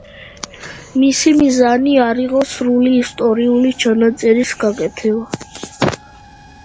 მისი მიზანი არ იყო სრული ისტორიული ჩანაწერის გაკეთება.